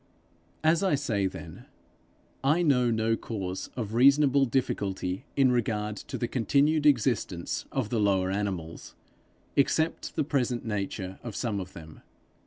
As I say, then, I know no cause of reasonable difficulty in regard to the continued existence of the lower animals, except the present nature of some of them.